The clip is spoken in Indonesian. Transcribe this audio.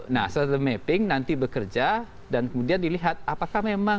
nah setelah mapping nanti bekerja dan kemudian dilihat apakah memang